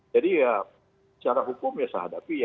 jadi ya secara hukum ya saya hadapi